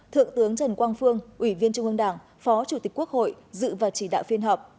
thượng tướng trần quang phương ủy viên trung ương đảng phó chủ tịch quốc hội dự và chỉ đạo phiên họp